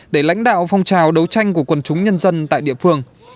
để lãnh đạo phong trào đấu tranh của quần chúng nhân dân tại địa phương